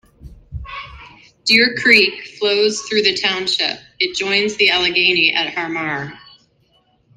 Deer Creek flows through the township; it joins the Allegheny at Harmar.